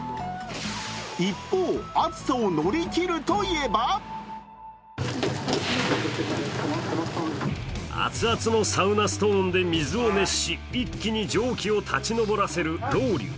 一方、暑さを乗り切るといえば熱々のサウナストーンで水を熱し、一気に蒸気を立ち上らせるロウリュ。